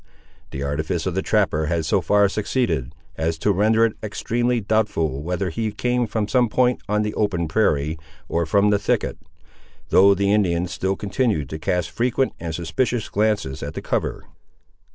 The artifice of the trapper had so far succeeded, as to render it extremely doubtful whether he came from some point on the open prairie, or from the thicket; though the Indians still continued to cast frequent and suspicious glances at the cover.